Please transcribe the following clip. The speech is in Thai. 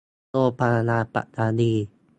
โรงพยาบาลปัตตานี